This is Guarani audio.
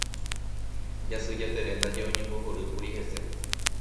Jasy Jatere ndaje oñembohorýkuri hese.